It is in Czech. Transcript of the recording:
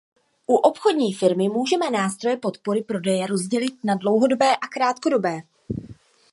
U obchodní firmy můžeme nástroje podpory prodeje rozdělit na dlouhodobé a krátkodobé.